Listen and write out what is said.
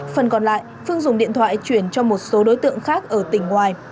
phần còn lại phương dùng điện thoại chuyển cho một số đối tượng khác ở tỉnh ngoài